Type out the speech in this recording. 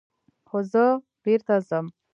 خو زه بېرته ځم.